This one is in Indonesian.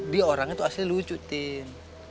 dia orang itu asli lucu tin